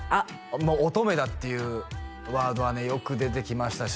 もう乙女だっていうワードはねよく出てきましたし